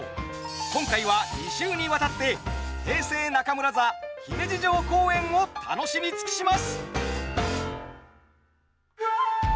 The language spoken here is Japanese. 今回は２週にわたって平成中村座姫路城公演を楽しみ尽くします。